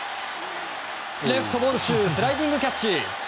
レフトがスライディングキャッチ！